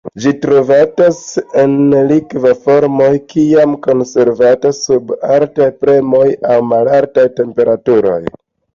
Ĝi trovatas en la likva formo kiam konservata sub altaj premoj aŭ malaltaj temperaturoj.